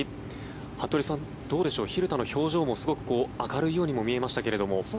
服部さん、どうでしょう蛭田の表情もすごく明るいようにも見えましたけれども。